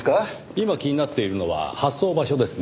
今気になっているのは発送場所ですね。